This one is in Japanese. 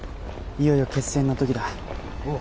いよいよ決戦の時だおおっ！